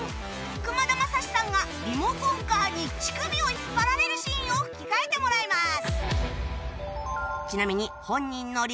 くまだまさしさんがリモコンカーに乳首を引っ張られるシーンを吹き替えてもらいます